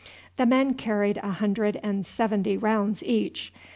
The men carried a hundred and seventy rounds each.